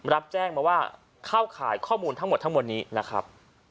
รับแจ้งมาว่าเข้าข่าวข่ายข้อมูลทั้งหมดนี้นะครับ